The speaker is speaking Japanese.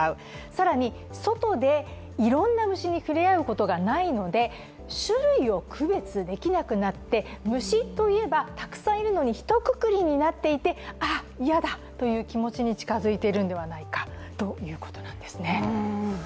更に、外でいろんな虫にふれあう機会がないので種類を区別できなくなって、虫といえばたくさんいるのに、ひとくくりになっていてあっ、いやだという気持ちに近づいているのではないかということなんですね。